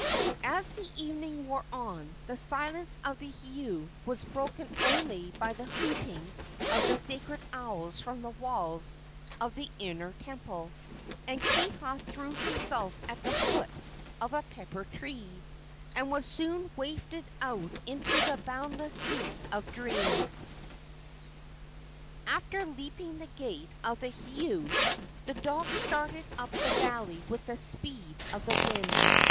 As the evening wore on the silence of the heiau was broken only by the hooting of the sacred owls from the walls of the inner temple, and Kiha threw himself at the foot of a pepper tree, and was soon wafted out into the boundless sea of dreams. After leaping the gate of the heiau the dog started up the valley with the speed of the wind.